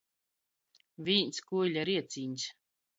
Vīns kuiļa riecīņs!